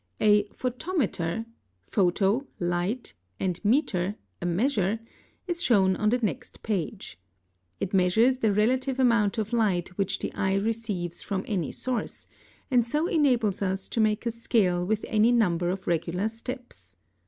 A PHOTOMETER (photo, light, and meter, a measure) is shown on the next page. It measures the relative amount of light which the eye receives from any source, and so enables us to make a scale with any number of regular steps.